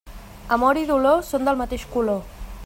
Amor i dolor són del mateix color.